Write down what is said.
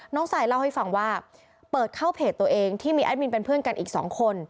ซายเล่าให้ฟังว่าเปิดเข้าเพจตัวเองที่มีแอดมินเป็นเพื่อนกันอีกสองคน